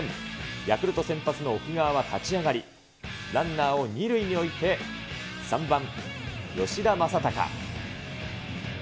ヤクルト先発の奥川は立ち上がり、ランナーを２塁に置いて、３番吉田正尚。